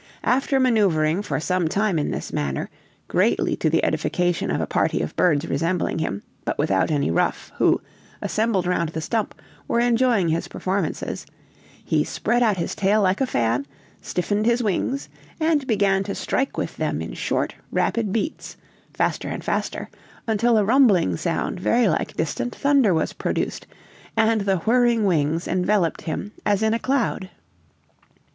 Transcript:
After maneuvering for some time in this manner, greatly to the edification of a party of birds resembling him, but without any ruff, who, assembled round the stump, were enjoying his performances, he spread out his tail like a fan, stiffened his wings, and began to strike with them in short, rapid beats, faster and faster, until a rumbling sound like very distant thunder was produced, and the whirring wings enveloped him as in a cloud.